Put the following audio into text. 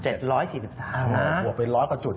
หัวเป็น๑๐๐กว่าจุด